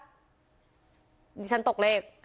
มันนี่ฉันตกเลข